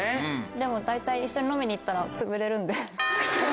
でも大体一緒に飲みに行ったらつぶれるんで。